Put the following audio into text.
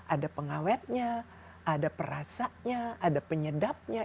ada pengawetnya ada perasanya ada penyedapnya